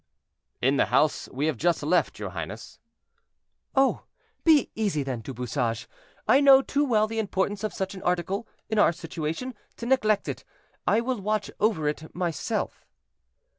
"In the house we have just left, your highness." "Oh! be easy, then, Du Bouchage; I know too well the importance of such an article, in our situation, to neglect it. I will watch over it myself."